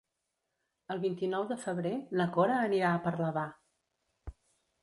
El vint-i-nou de febrer na Cora anirà a Parlavà.